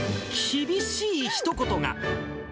厳しいひと言が。